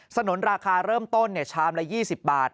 นุนราคาเริ่มต้นชามละ๒๐บาท